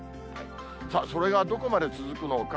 さあ、それがどこまで続くのか。